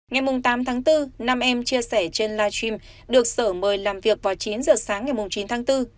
ngày tám tháng bốn năm em chia sẻ trên live stream được sở mời làm việc vào chín giờ sáng ngày chín tháng bốn